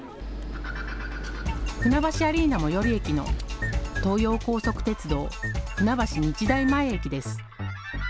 船橋アリーナ最寄り駅の東葉高速鉄道、船橋日大前駅です。